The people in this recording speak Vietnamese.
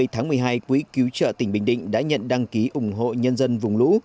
hai mươi tháng một mươi hai quỹ cứu trợ tỉnh bình định đã nhận đăng ký ủng hộ nhân dân vùng lũ